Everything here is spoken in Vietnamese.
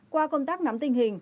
qua công tác nắm tình hình